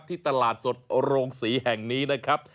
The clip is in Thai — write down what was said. ที่ตลาดสดโรงศรีแห่งนี้นะครับ